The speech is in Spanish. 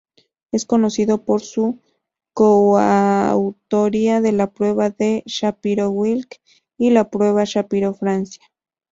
Es conocido por su coautoría de la prueba de Shapiro-Wilk y la prueba Shapiro-Francia.